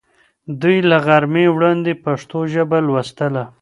دوی له غرمې وړاندې پښتو ژبه لوستله.